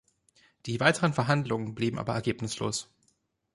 Die weiteren Verhandlungen blieben aber ergebnislos.